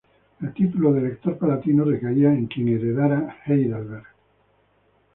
El título de Elector Palatino recaía en quien heredara Heidelberg.